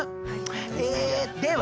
えでは！